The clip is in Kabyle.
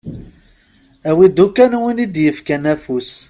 Awi-d ukkan win i d-yefkan afus.